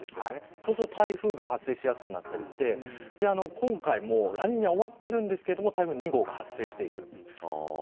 そうすると台風が発生しやすくなって今回もラニーニャは終わっているんですが台風２号が発生している。